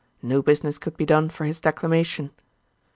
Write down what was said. No business could be done for his declamation.'